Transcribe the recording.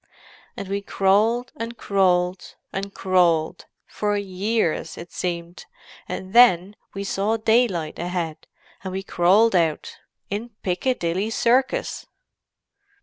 "And we crawled, and crawled, and crawled: for years, it seemed. And then we saw daylight ahead, and we crawled out—in Piccadilly Circus!"